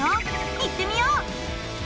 行ってみよう！